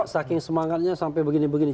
saking semangatnya sampai begini begini